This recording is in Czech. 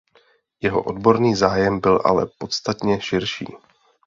Jeho odborný zájem byl ale podstatně širší.